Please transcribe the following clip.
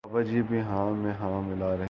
بابا جی بھی ہاں میں ہاں ملا رہے